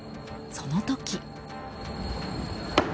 その時。